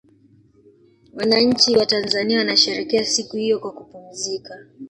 wananchi watanzania wanasherekea siku hiyo kwa kupumzika